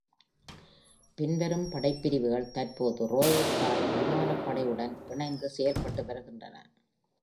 பின்வரும் படைப்பிரிவுகள் தற்போது ராயல் தாய் விமானப்படையுடன் இணைந்து செயல்பட்டு வருகின்றன.